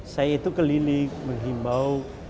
saya itu keliling menghimbau